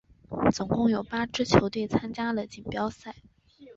总共有八支球队参加了锦标赛。